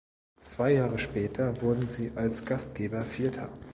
Zwei Jahre später wurden sie als Gastgeber Vierter.